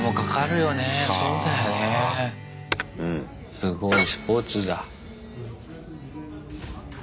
すごいスポーツだ。